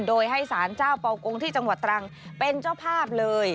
โดยให้สารเจ้าเป่ากงที่จังหวัดตรังเป็นเจ้าภาพเลย